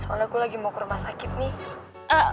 soalnya gue lagi mau ke rumah sakit nih